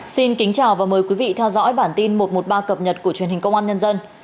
xin kính chào và mời quý vị theo dõi bản tin một trăm một mươi ba cập nhật của truyền hình công an nhân dân